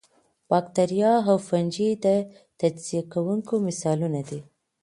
باکتریا او فنجي د تجزیه کوونکو مثالونه دي